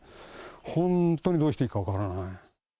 本当にどうしていいか分からない。